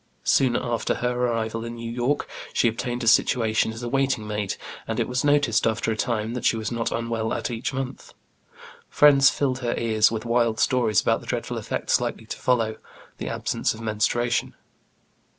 Soon after her arrival in New York, she obtained a situation as a waiting maid, and it was noticed, after a time, that she was not unwell at each month. Friends filled her ears with wild stories about the dreadful effects likely to follow the absence of menstruation.